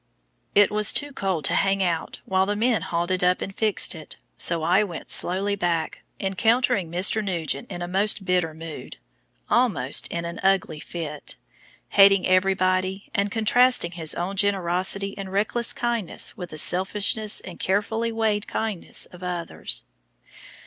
It was too cold to hang about while the men hauled it up and fixed it, so I went slowly back, encountering Mr. Nugent in a most bitter mood almost in an "ugly fit" hating everybody, and contrasting his own generosity and reckless kindness with the selfishness and carefully weighed kindnesses of others.